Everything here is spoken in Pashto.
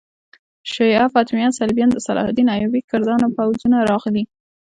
شیعه فاطمیانو، صلیبیانو، د صلاح الدین ایوبي کردانو پوځونه راغلي.